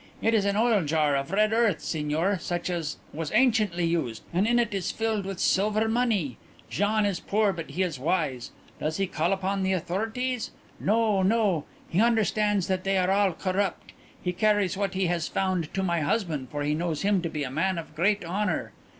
It is an oil jar of red earth, Signor, such as was anciently used, and in it is filled with silver money. "Gian is poor but he is wise. Does he call upon the authorities? No, no; he understands that they are all corrupt. He carries what he has found to my husband for he knows him to be a man of great honour.